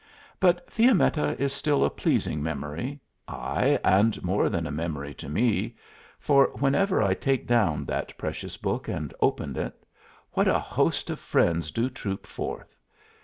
But Fiammetta is still a pleasing memory ay, and more than a memory to me, for whenever I take down that precious book and open it, what a host of friends do troop forth!